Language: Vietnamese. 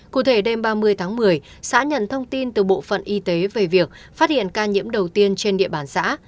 cụ thể đêm ba mươi tháng một mươi xã nhận thông tin từ bộ phận y tế về việc phát hiện ca nhiễm đầu tiên trên địa bàn xã